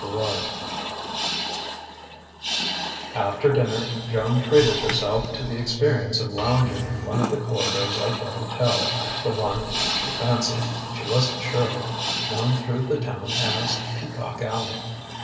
XXIX After dinner Joan treated herself to the experience of lounging in one of the corridors of the hotel, the one (she fancied: she wasn't sure) known through the Town as "Peacock Alley."